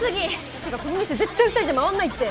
っていうかこの店絶対２人じゃ回らないって！